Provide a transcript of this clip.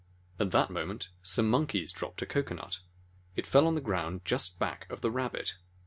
At that moment, some Monkeys dropped a cocoa nut. It fell down on the ground just back of the Rabbit.